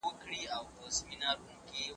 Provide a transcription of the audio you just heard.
دا لږ دروند دئ.